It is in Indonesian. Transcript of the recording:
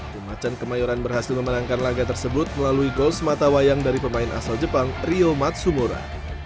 tim macan kemayoran berhasil memenangkan laga tersebut melalui gol sematawayang dari pemain asal jepang rio matsumura